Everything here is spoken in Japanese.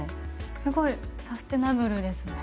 すごいサステナブルですね。